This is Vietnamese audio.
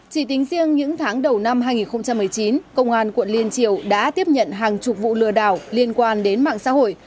chỉ tính riêng những tháng đầu năm hai nghìn một mươi chín công an quận liên triều đã tiếp nhận hàng chục vụ lừa đảo liên quan đến mạng xã hội